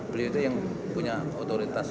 beliau itu yang punya otoritas